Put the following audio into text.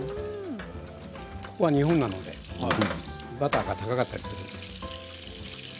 ここは日本なのでバターが高かったりしますのでね。